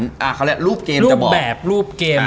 เขาเรียกรูปเกมจะบอก